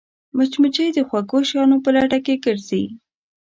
مچمچۍ د خوږو شیانو په لټه کې ګرځي